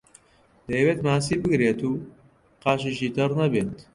دەیەوێت ماسی بگرێت و قاچیشی تەڕ نەبێت.